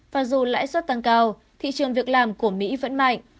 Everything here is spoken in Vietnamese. và dù lãi suất tăng cao thị trường việc làm của mỹ vẫn mạnh